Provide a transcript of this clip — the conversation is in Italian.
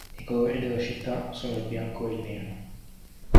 I colori della città sono il bianco e il nero.